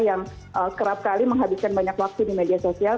yang kerap kali menghabiskan banyak waktu di media sosial